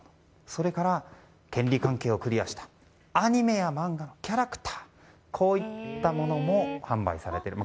それから、権利関係をクリアしたアニメや漫画のキャラクター、こういったものも販売されている。